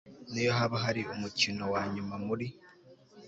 niyo haba hari umukino wanyuma muri